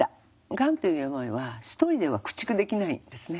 がんという病は１人では駆逐できないんですね。